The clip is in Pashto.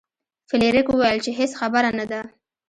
فلیریک وویل چې هیڅ خبره نه ده.